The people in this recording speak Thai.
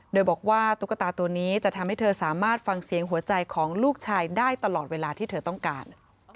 โดยบอกว่าตุ๊กตาตัวนี้จะทำให้เธอสามารถฟังเสียงหัวใจของลูกชายได้ตลอดเวลาที่เธอต้องการ